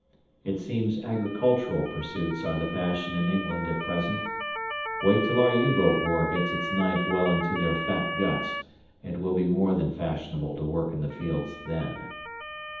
It seems agricultural pursuits are the fashion in England at present wait till our U boat war gets its knife well into their fat guts, it will be more than fashionable to work in the fields then.